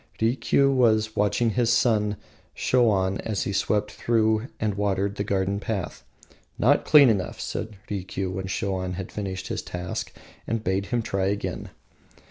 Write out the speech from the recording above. Rikiu was watching his son Shoan as he swept and watered the garden path. "Not clean enough," said Rikiu, when Shoan had finished his task, and bade him try again.